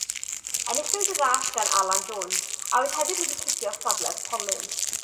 Enillwyd y ras gan Alan Jones, a oedd hefyd wedi cipio'r safle polyn.